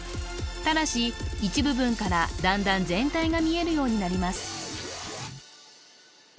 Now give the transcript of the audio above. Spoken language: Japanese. ただし一部分から段々全体が見えるようになります